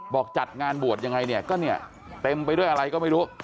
จัดงานบวชยังไงเนี่ยก็เนี่ยเต็มไปด้วยอะไรก็ไม่รู้